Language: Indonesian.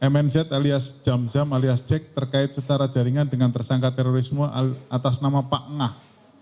mnz alias jamzam alias jack terkait secara jaringan dengan tersangka terorisme atas nama pak ngah